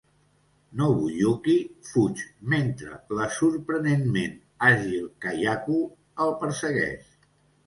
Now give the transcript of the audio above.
Nobuyuki fuig mentre la sorprenentment àgil Kayako el persegueix.